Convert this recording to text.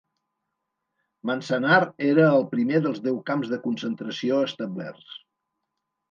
Manzanar era el primer dels deu camps de concentració establerts.